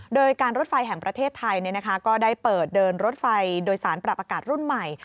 โดยการรถไฟแห่งประเทศไทยก็ได้เปิดเดินรถไฟโดยสารปรับอากาศรุ่นใหม่